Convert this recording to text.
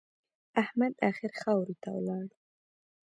احمد اخير خاورو ته ولاړ.